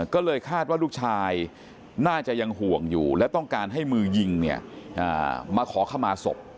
ก็เลยคาดว่าลูกชายน่าจะยังห่วงอยู่และต้องการให้มือยิงมาขอขมาศพ